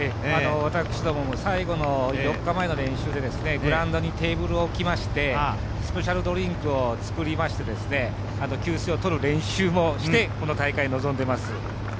私どもも最後の４日前の練習でグラウンドにテーブルを置きましてスペシャルドリンクを作りまして給水をとる練習もして、この大会に臨んでいます。